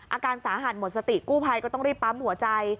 อาการสาหัสหมดสติกู้ภัยก็ต้องรีบปั๊มหัวใจ